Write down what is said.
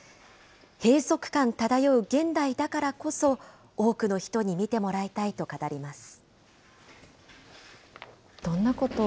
閉塞感漂う現代だからこそ、多くの人に見てもらいたいと語ります。